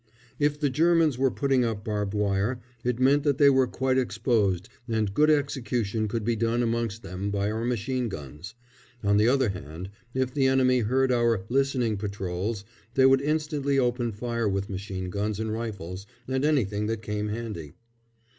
If the Germans were putting up barbed wire, it meant that they were quite exposed and good execution could be done amongst them by our machine guns; on the other hand, if the enemy heard our "listening patrols" they would instantly open fire with machine guns and rifles and anything that came handy.